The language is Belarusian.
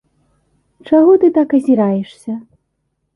Чаго ты так азіраешся?